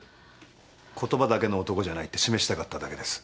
言葉だけの男じゃないって示したかっただけです。